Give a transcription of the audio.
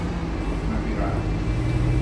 มันคือไร